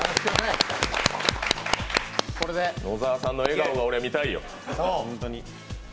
野澤さんの笑顔が俺、見たいよ。